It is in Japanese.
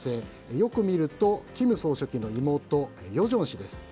よく見ると金総書記の妹・与正氏です。